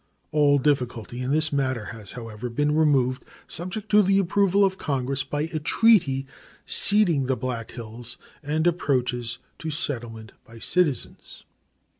All difficulty in this matter has, however, been removed subject to the approval of Congress by a treaty ceding the Black Hills and approaches to settlement by citizens.